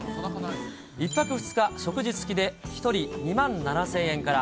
１泊２日食事付きで、１人２万７０００円から。